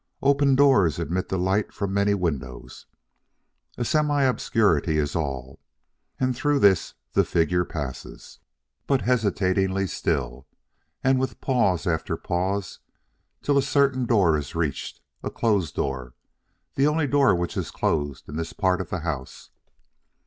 Open doors admit the light from many windows. A semi obscurity is all, and through this the figure passes, but hesitatingly still, and with pause after pause, till a certain door is reached a closed door the only door which is closed in this part of the house.